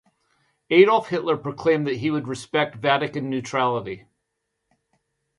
Adolf Hitler proclaimed that he would respect Vatican neutrality.